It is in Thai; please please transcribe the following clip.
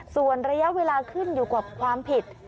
ส่วนระยะเวลาขึ้นอยู่กับความผิด